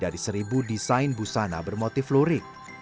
hal yang menarik dari desain busana bermotif lurik